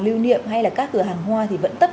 lưu niệm hay là các cửa hàng hoa thì vẫn tất